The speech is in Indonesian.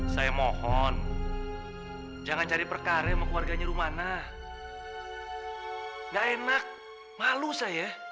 saya mohon jangan cari perkara sama keluarganya rumah nah gak enak malu saya